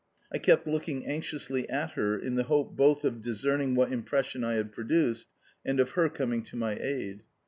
I kept looking anxiously at her in the hope both of discerning what impression I had produced and of her coming to my aid.